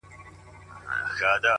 • جهاني شپه مي تر پانوس پوري را ورسول -